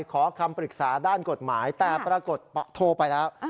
ขอคำปรึกษาด้านกฎหมายแต่ปรากฏโทรไปแล้ว